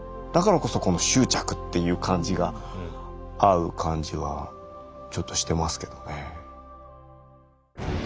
だからこそこの執着っていう感じが合う感じはちょっとしてますけどね。